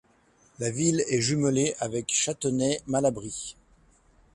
La ville est jumelée avec Châtenay-Malabry.